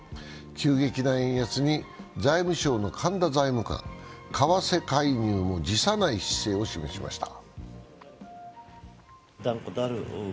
急激な円安に財務省の神田財務官は為替介入も辞さない姿勢を示しました。